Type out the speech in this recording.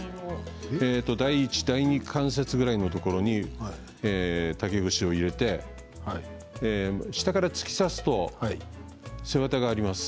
第一、第二関節ぐらいのところに竹串を入れて下から突き刺すと背わたがあります。